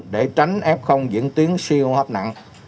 để tránh f diễn tuyến siêu hóa